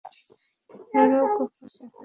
নরক ওখানে রয়েছে।